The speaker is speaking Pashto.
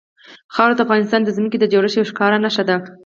خاوره د افغانستان د ځمکې د جوړښت یوه ښکاره نښه ده.